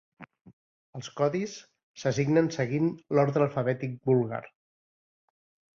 Els codis s'assignen seguint l'ordre alfabètic búlgar.